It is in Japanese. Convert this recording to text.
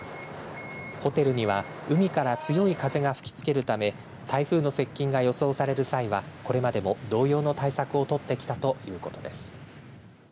ホテルには海から強い風が吹きつけるため台風の接近が予想される際はこれまでも同様の対策を取ってきたということです。